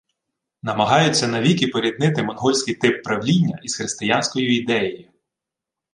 Намагаються навіки поріднити монгольський тип правління із християнською ідеєю